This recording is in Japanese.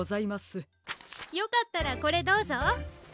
よかったらこれどうぞ。